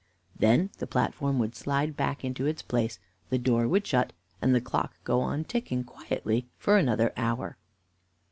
Then the platform would slide back into its place, the door would shut, and the clock go on ticking quietly for another hour.